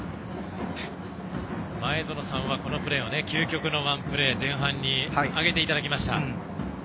前園さんはこのプレーを究極のワンプレーに前半に挙げていただきました。